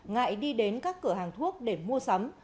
ngại đi đến các cửa hàng thuốc để mua sắm